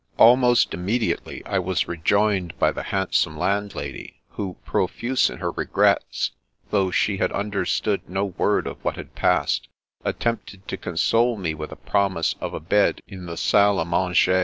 Almost immediately I was rejoined by the hand some landlady, who, profuse in her regrets, though she had understood no word of what had passed, attempted to console me with the promise of a bed in the salle A tnanger.